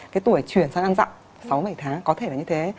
cái tuổi chuyển sang ăn dặn sáu bảy tháng có thể là như thế